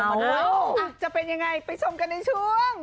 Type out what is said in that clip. จะเป็นยังไงไปชมกันในช่วง